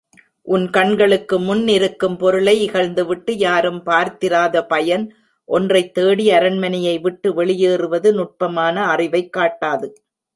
உன் கண்களுக்குமுன் இருக்கும் பொருளை இகழ்ந்துவிட்டு யாரும் பார்த்திராத பயன் ஒன்றைத்தேடி அரண்மனையை விட்டு வெளியேறுவது நுட்பமான அறிவைக்காட்டாது.